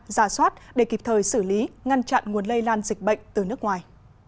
giả soát để kịp thời xử lý ngăn chặn nguồn lây lan dịch bệnh từ nước ngoài